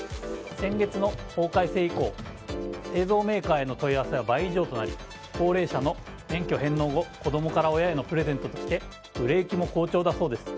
先月の法改正以降製造メーカーへの問い合わせは倍以上となり高齢者の免許返納後子供から親へのプレゼントとして売れ行きも好調だそうです。